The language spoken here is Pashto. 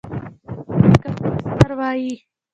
چې ورته د کمر سر وايي ـ